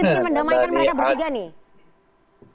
itu mendamaikan mereka berdua nih